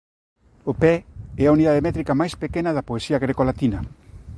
O pé é a unidade métrica máis pequena da poesía grecolatina.